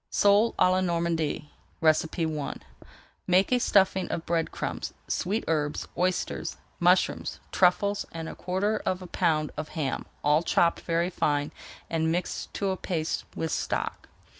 SOLE À LA NORMANDY I Make a stuffing of bread crumbs, sweet [Page 389] herbs, oysters, mushrooms, truffles, and a quarter of a pound of ham, all chopped very fine and mixed to a paste with stock.